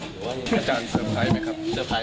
อาจารย์เซอร์ไพรส์ไหมครับ